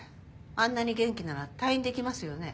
あんなに元気なら退院できますよね？